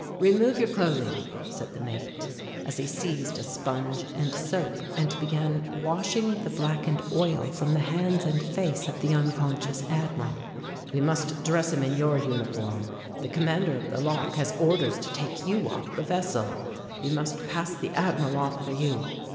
"Remove your clothing," said the mate, as he seized a sponge and soap and began washing the blackened oil from the hands and face of the unconscious Admiral. "We must dress him in your uniform. The Commander of the Lock has orders to take you off the vessel. We must pass the Admiral off for you.